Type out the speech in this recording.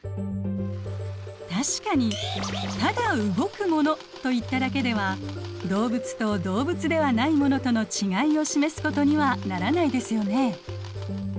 確かにただ動くものといっただけでは動物と動物ではないものとのちがいを示すことにはならないですよね。